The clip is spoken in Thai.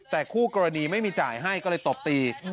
แต่คู่กรณีไม่มีจ่ายให้ก็เลยตบตี